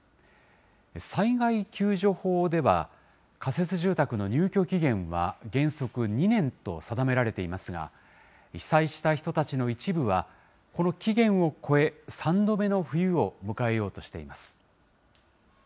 災害救助法では、仮設住宅の入居期限は原則２年と定められていますが、被災した人たちの一部は、この期限を超え、３度目の冬を迎えようとしています。